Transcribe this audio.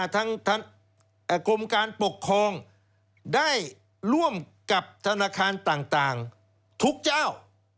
ทางกรมการปกครองได้ร่วมกับธนาคารต่างทุกเจ้า